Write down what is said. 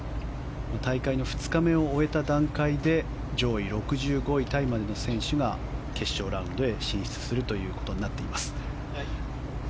大会の２日目を終えた段階で上位６５位タイまでの選手が決勝ラウンドへ進出することになっています。